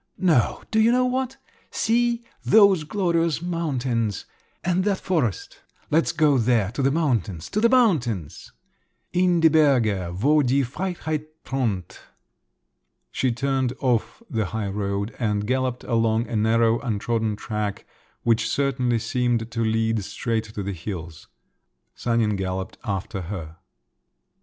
No, do you know what: see, those glorious mountains—and that forest! Let's go there, to the mountains, to the mountains!" "In die Berge wo die Freiheit thront!" She turned off the high road and galloped along a narrow untrodden track, which certainly seemed to lead straight to the hills. Sanin galloped after her.